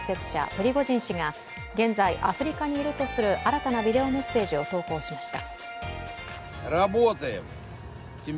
プリゴジン氏が現在、アフリカにいるとする新たなビデオメッセージを投稿しました。